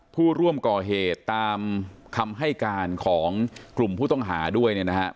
ผู้ร่วมก่อเหตุตามคำให้การของกลุ่มผู้ต้องหาด้วยเนี่ยนะครับ